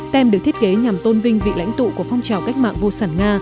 tem được thiết kế nhằm tôn vinh vị lãnh tụ của phong trào cách mạng vô sản nga